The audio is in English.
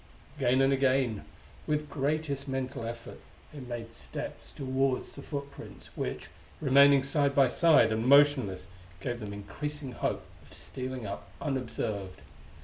Again and again, with greatest mental effort, they made steps toward the footprints, which, remaining side by side and motionless, gave them increasing hope of stealing up unobserved.